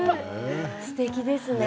すてきですね。